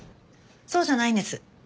そうじゃないんです。